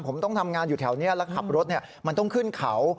ผมต้องทำงานอยู่แถวนี้แล้วขับรถมันต้องขึ้นเขา